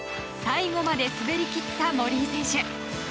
最後まで滑り切った森井選手。